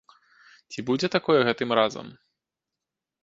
Ці будзе такое гэтым разам?